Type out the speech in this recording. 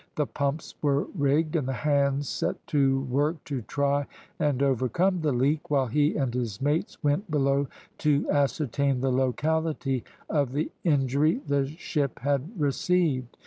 The pumps were rigged, and the hands set to work to try and overcome the leak, while he and his mates went below to ascertain the locality of the injury the ship had received.